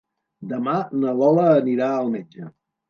Demà na Lola anirà al metge.